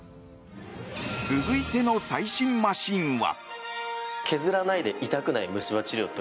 続いての最新マシンは。